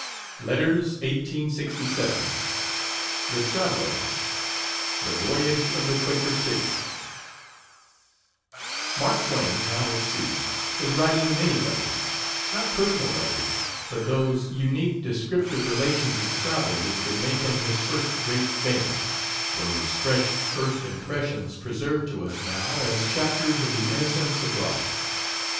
Yrs. Forever, SAM. VII. LETTERS 1867. THE TRAVELER. THE VOYAGE OF THE "QUAKER CITY" Mark Twain, now at sea, was writing many letters; not personal letters, but those unique descriptive relations of travel which would make him his first great fame those fresh first impressions preserved to us now as chapters of The Innocents Abroad.